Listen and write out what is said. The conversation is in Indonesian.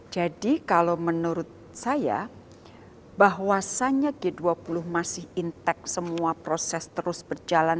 jadi kalau menurut saya bahwasannya g dua puluh masih intek semua proses terus berjalan